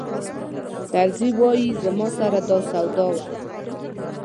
طرزي وایي زما سره دا سودا وه.